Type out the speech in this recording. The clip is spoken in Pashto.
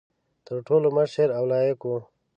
تر ټولو مشر او لایق وو.